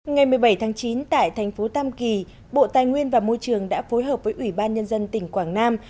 ngày một mươi bảy tháng chín tại thành phố tam kỳ bộ tài nguyên và môi trường đã phối hợp với ủy ban nhân dân tỉnh quảng nam